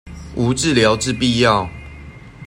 無治療之必要